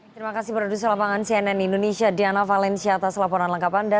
terima kasih produser lapangan cnn indonesia diana valencia atas laporan lengkap anda